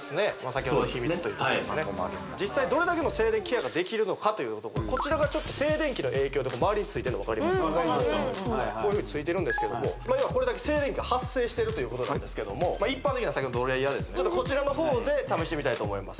先ほどの秘密といった実際どれだけの静電気ケアができるのかというところこちらが静電気の影響でまわりについてるの分かりますかこういうふうについてるんですけどもこれだけ静電気が発生してるということなんですけども一般的な先ほどのドライヤーですねこちらの方で試してみます